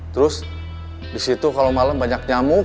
terus disitu kalau malam banyak nyamuk